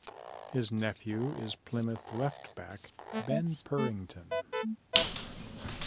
His nephew is Plymouth left back, Ben Purrington.